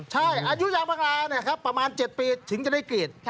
ใช่อายุยางพราเนี่ยครับประมาณ๗ปีถึงจะได้กรีด